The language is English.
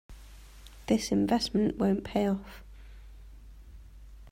This investment won't pay off.